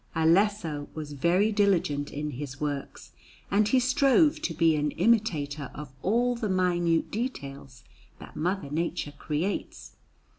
Alesso was very diligent in his works, and he strove to be an imitator of all the minute details that Mother Nature creates.